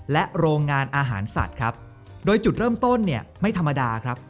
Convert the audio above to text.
และโรงงานอาหารสัตว์ครับโดยจุดเริ่มต้นเนี่ยไม่ธรรมดาครับ